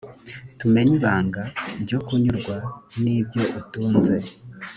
tumenye ibanga ryo kunyurwa n’ibyo utunze